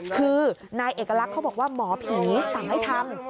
คือนายเอกลักษณ์เขาบอกว่าหมอผีสั่งให้ทำ